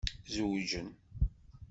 Zewǧen.